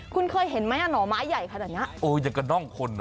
คุณเคยเห็นไหมหน่อไม้ใหญ่ค่ะอย่างกับน่องคน